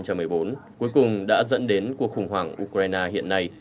cuối cùng đã dẫn đến cuộc khủng hoảng ukraine hiện nay